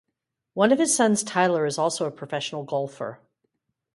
One of his sons, Tyler, is also a professional golfer.